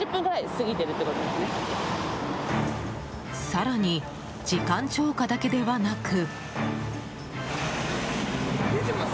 更に、時間超過だけではなく。